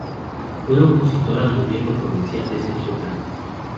Fue opositor al gobierno provincial de Sergio Casas.